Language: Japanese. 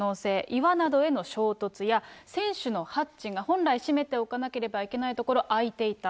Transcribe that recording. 岩などへの衝突や、船首のハッチが本来閉めておかなければいけない所が開いていた。